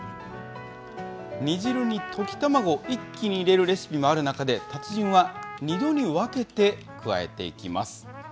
煮汁に溶き卵一気に入れるレシピもある中で、達人は２度に分けて加えていきます。